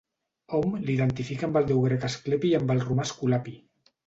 Hom l'identifica amb el déu grec Asclepi i amb el romà Esculapi.